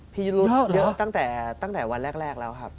พิรุธเยอะตั้งแต่วันแรกแล้วครับ